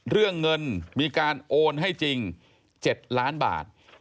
เรื่องเงินมีการโอนให้จริง๗ล้านบาท